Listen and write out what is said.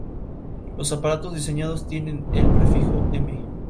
Los Estados Civilizados Unidos se proponen destruirla antes que la Corporación la termine.